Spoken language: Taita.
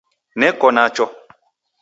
Neko nacho.